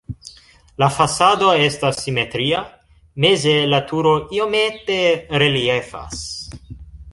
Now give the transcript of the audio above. La fasado estas simetria, meze la turo iomete reliefas.